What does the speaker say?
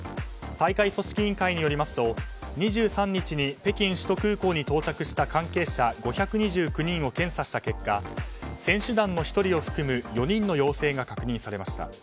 大会組織委員会によりますと２３日に北京首都空港に到着した関係者５２９人を検査した結果選手団の１人を含む４人の陽性が確認されました。